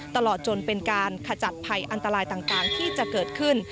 ตลอดจนเป็นการขจัดภัยอันตรายต่างที่จะเกิดขึ้น